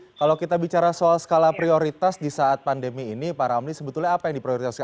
oke kalau kita bicara soal skala prioritas di saat pandemi ini pak ramli sebetulnya apa yang diprioritaskan